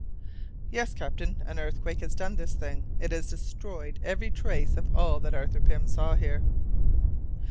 "Yes, captain, an earthquake has done this thing; it has destroyed every trace of all that Arthur Pym saw here."